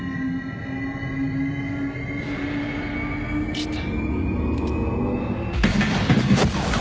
来た。